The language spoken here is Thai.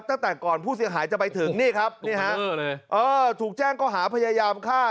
ตั้งแต่ก่อนผู้เสียหายจะไปถึงนี่ครับนี่ฮะถูกแจ้งก็หาพยายามฆ่า